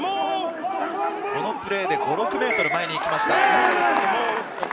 このプレーで５６ｍ前に行きました。